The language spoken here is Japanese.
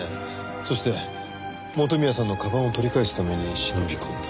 そして元宮さんの鞄を取り返すために忍び込んだ。